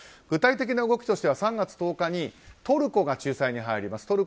具体的な動きとしては３月１０日にトルコが仲裁に入ります。